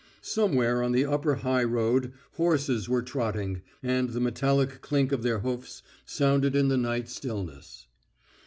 Somewhere on the upper high road horses were trotting, and the metallic clink of their hoofs sounded in the night stillness.